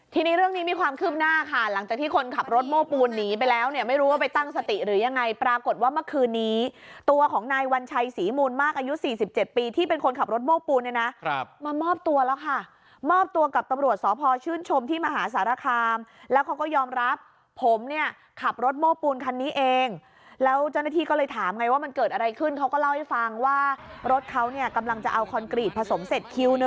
ทีนี้เรื่องนี้มีความขึ้นหน้าค่ะหลังจากที่คนขับรถโม้ปูนหนีไปแล้วเนี่ยไม่รู้ว่าไปตั้งสติหรือยังไงปรากฏว่าเมื่อคืนนี้ตัวของนายวัญชัยศรีมูลมากอายุสี่สิบเจ็ดปีที่เป็นคนขับรถโม้ปูนเนี่ยนะครับมามอบตัวแล้วค่ะมอบตัวกับตำรวจสอพอชื่นชมที่มหาสารคามแล้วเขาก็ยอมรับผมเนี่ยขับรถโ